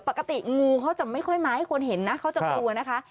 ปกติงูเขาจะไม่ค่อยมาให้คนเห็นนะเขาจะกลัวนะคะ